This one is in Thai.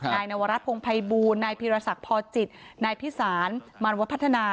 นายนวรัฐพงภัยบูรณ์นายพิราษักพอจิตนายพิสารมารวัติพัฒนา